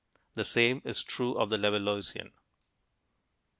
The same is true of the Levalloisian.